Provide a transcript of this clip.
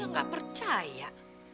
dia gak percaya